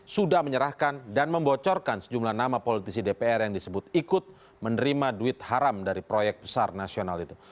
sudah menyerahkan dan membocorkan sejumlah nama politisi dpr yang disebut ikut menerima duit haram dari proyek besar nasional itu